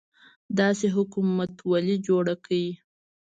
داسې حکومتولي جوړه کړي.